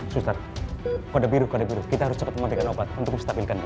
sustar kode biru kode biru kita harus cepat memandikan obat untuk menstabilkannya